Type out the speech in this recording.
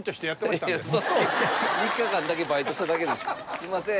すいません。